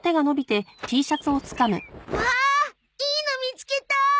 わあいいの見つけた！